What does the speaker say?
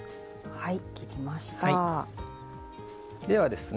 はい。